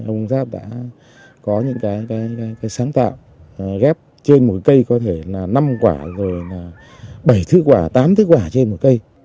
ông giáp đã có những cái sáng tạo ghép trên một cây có thể là năm quả rồi là bảy thứ quả tám thức quả trên một cây